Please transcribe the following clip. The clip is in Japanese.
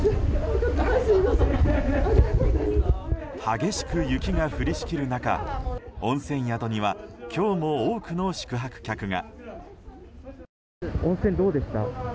激しく雪が降りしきる中温泉宿には今日も多くの宿泊客が。